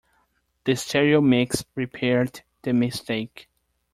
The stereo mix repaired the mistake.